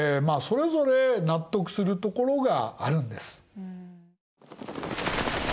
それぞれ納得するところがあるんです。